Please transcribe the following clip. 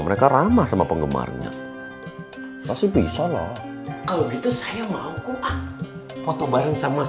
mereka ramah sama penggemarnya tapi bisa loh kalau gitu saya mau kok ah foto bareng sama